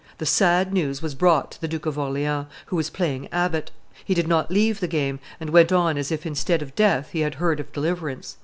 ] "The sad news was brought to the Duke of Orleans, who was playing abbot; he did not leave the game, and went on as if instead of death he had heard of deliverance."